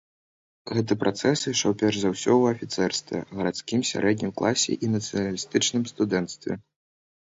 Гэты працэс ішоў перш за ўсё ў афіцэрстве, гарадскім сярэднім класе і нацыяналістычным студэнцтве.